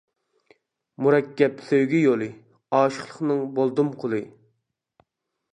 مۇرەككەپكەن سۆيگۈ يولى، ئاشىقلىقنىڭ بولدۇم قۇلى.